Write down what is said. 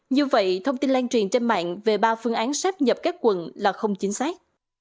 như vậy thông tin lan truyền trên mạng về ba phương án sắp nhập các quận là không chính xác